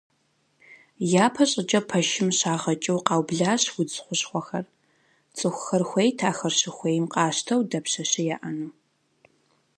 Япэ щӏыкӏэ пэшым щагъэкӏыу къаублащ удз хущхъуэхэр, цӏыхухэр хуейт ахэр щыхуейм къащтэу дапщэщи яӏэну.